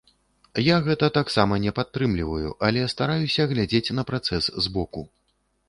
Я гэта таксама не падтрымліваю, але стараюся глядзець на працэс з боку.